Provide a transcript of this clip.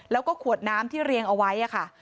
แล้วก็ขวดน้ำที่เรียงเอาไว้ค่ะ